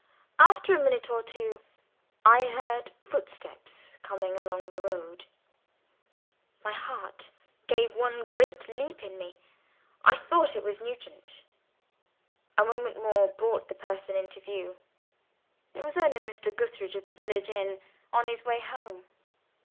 After a minute or two, I heard footsteps coming along the road. My heart gave one great leap in me. I thought it was Nugent. A moment more brought the person in view. It was only Mr. Gootheridge of the village inn, on his way home.